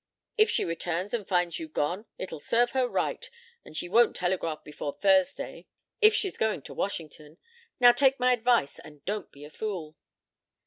"If she returns and finds you gone it'll serve her right. And she won't telegraph before Thursday if she's going to Washington. Now take my advice and don't be a fool."